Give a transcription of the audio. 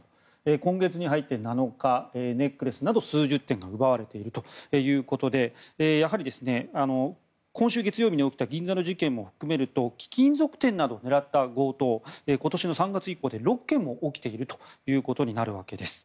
今月に入って７日ネックレスなど数十点が奪われているということでやはり、今週月曜日に起きた銀座の事件も含めると貴金属店などを狙った強盗今年の３月以降で６件も起きているということになるわけです。